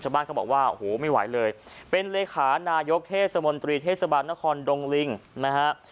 ชาวบ้านเขาบอกว่าโอ้โหไม่ไหวเลยเป็นเลขานายกเทศมนตรีเทศบาลนครดงลิงนะฮะ